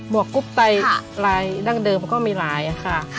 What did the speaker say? วกกรุ๊ปไตลายดั้งเดิมก็มีหลายค่ะ